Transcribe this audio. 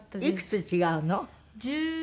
いくつ違うの？